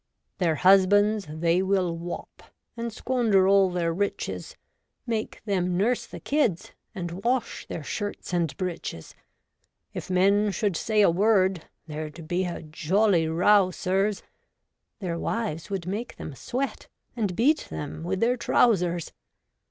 36 REVOLTED WOMAN. Their husbands they will wop, And squander all their riches ; Make them nurse the kids And wash their shirts and breeches. If men should say a word, There'd be a jolly row, sirs ! Their wives would make them sweat And beat them with their trousers.